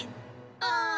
ああ。